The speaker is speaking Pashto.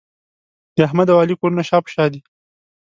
د احمد او علي کورونه شا په شا دي.